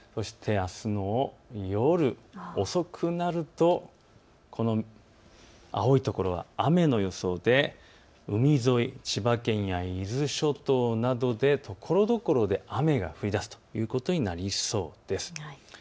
あすの夜、遅くなると青いところが雨の予想で海沿い、千葉県や伊豆諸島などでところどころで雨が降りだすということになりそうです。